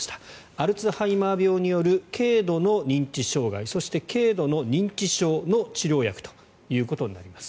アルツハイマー病による軽度の認知障害そして軽度の認知症の治療薬ということになります。